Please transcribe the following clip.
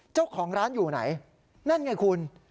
เจ้าของร้านอยู่ไหนนั่นไงคุณ